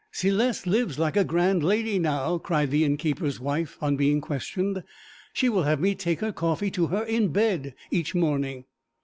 'Céleste lives like a grand lady now,' cried the innkeeper's wife, on being questioned. 'She will have me take her coffee to her in bed each morning.'